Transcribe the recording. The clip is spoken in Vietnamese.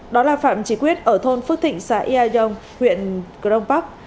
đó là phạm trí quyết ở thôn phước thịnh xã yà dông huyện cờ đông bắc